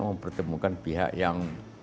mempertemukan pihak yang